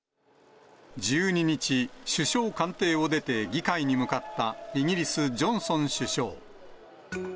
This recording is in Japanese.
１２日、首相官邸を出て、議会に向かったイギリス、ジョンソン首相。